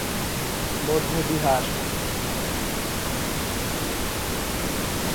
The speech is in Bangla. তবে, কোন টেস্টেই উইকেট লাভে সক্ষমতা দেখাতে পারেননি।